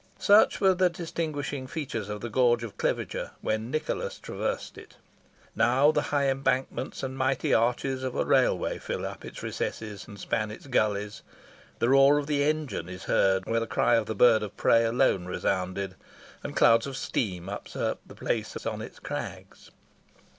Such were the distinguishing features of the gorge of Cliviger when Nicholas traversed it. Now the high embankments and mighty arches of a railway fill up its recesses and span its gullies; the roar of the engine is heard where the cry of the bird of prey alone resounded; and clouds of steam usurp the place of the mist wreaths on its crags.